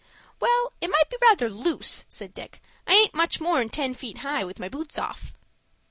"Well, it might be rather loose," said Dick, "I aint much more'n ten feet high with my boots off."